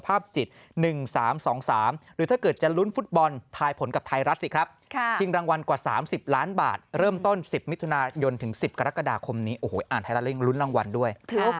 อ่านให้ละเรียงรุ้นรางวัลด้วย